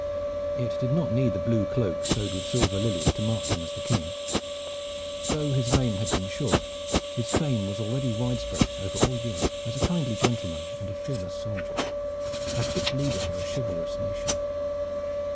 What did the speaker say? It did not need the blue cloak sewed with silver lilies to mark him as the King. Though his reign had been short, his fame was already widespread over all Europe as a kindly gentleman and a fearless soldier a fit leader for a chivalrous nation.